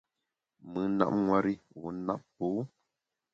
Mùn nap nwer i, wu nap pô.